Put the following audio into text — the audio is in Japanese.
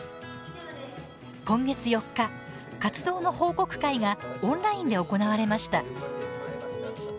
今月４日、活動の報告会がオンラインで行われました。